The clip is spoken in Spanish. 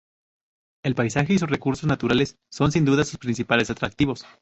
El paisaje y sus recursos naturales son sin duda sus principales atractivos.